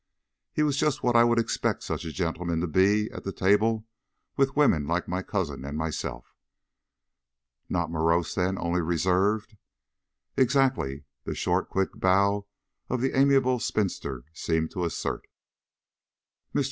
"He was just what I would expect such a gentleman to be at the table with women like my cousin and myself." "Not morose, then; only reserved." "Exactly," the short, quick bow of the amiable spinster seemed to assert. Mr.